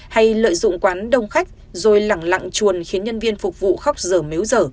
hay lợi dụng quán đông khách rồi lặng lặng chuồn khiến nhân viên phục vụ khóc dở mếu dở